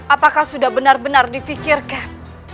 apakah sudah benar benar difikirkan